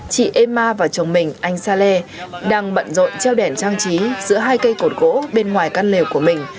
chị êma và chồng mình anh sale đang bận rộn treo đèn trang trí giữa hai cây cột gỗ bên ngoài căn lều của mình